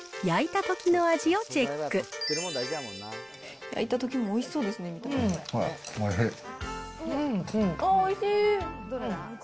焼いたときのもおいしそうですね、見た感じ。